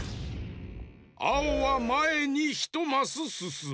あおはまえにひとマスすすむ。